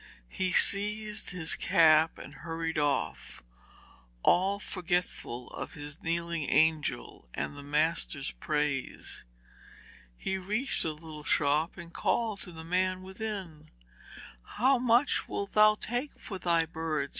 He seized his cap and hurried off, all forgetful of his kneeling angel and the master's praise. He reached the little shop and called to the man within. 'How much wilt thou take for thy birds?'